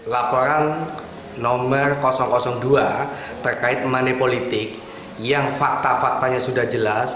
laporan nomor dua terkait money politik yang fakta faktanya sudah jelas